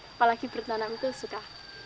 apalagi bertanam itu suka